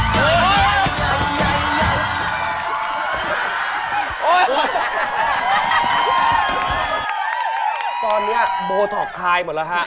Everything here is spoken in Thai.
ขอซื้อท่านิกสิทธิ์